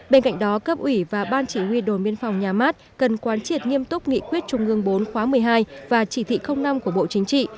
bên cạnh đó cấp ủy và ban chỉ huy đồn biên phòng nhà mát cần quán triệt nghiêm túc nghị quyết trung ương bốn khóa một mươi hai và chỉ thị năm của bộ chính trị